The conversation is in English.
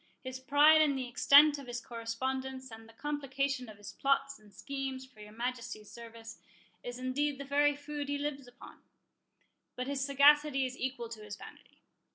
His pride in the extent of his correspondence, and the complication of his plots and schemes for your Majesty's service, is indeed the very food he lives upon; but his sagacity is equal to his vanity.